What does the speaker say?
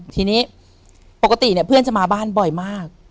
ทีนี้ปกติเนี่ยเพื่อนจะมาบ้านบ่อยมาก